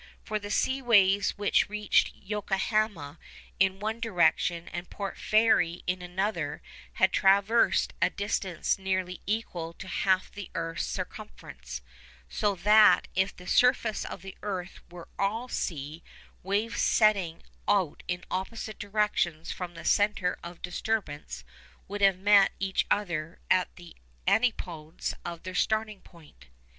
For the sea waves which reached Yokohama in one direction and Port Fairy in another had each traversed a distance nearly equal to half the earth's circumference; so that if the surface of the earth were all sea, waves setting out in opposite directions from the centre of disturbance would have met each other at the antipodes of their starting point.